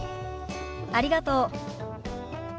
ありがとう。